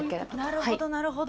なるほどなるほど。